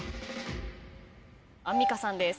アンミカさんです。